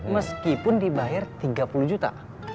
meskipun dibayar tiga puluh juta